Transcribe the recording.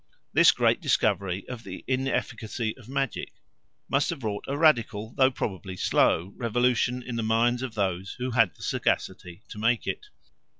This great discovery of the inefficacy of magic must have wrought a radical though probably slow revolution in the minds of those who had the sagacity to make it.